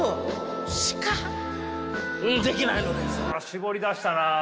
絞り出したな。